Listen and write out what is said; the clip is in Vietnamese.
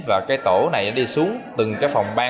và cái tổ này đi xuống từng cái phòng ban